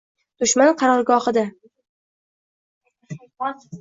Dushman qarorgohida.